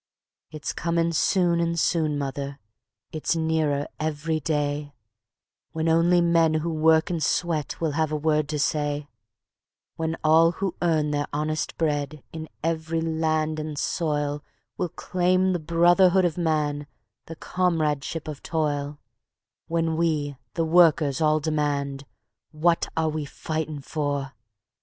..." "It's coming soon and soon, mother, it's nearer every day, When only men who work and sweat will have a word to say; When all who earn their honest bread in every land and soil Will claim the Brotherhood of Man, the Comradeship of Toil; When we, the Workers, all demand: 'What are we fighting for?'